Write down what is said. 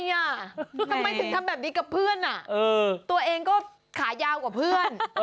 ทำไมถึงทำแบบนี้กับเพื่อนตัวเองก็ขายาวกว่าเพื่อน